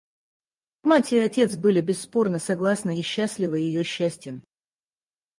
Мать и отец были бесспорно согласны и счастливы ее счастьем.